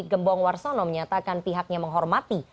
gembong warsono menyatakan pihaknya menghormati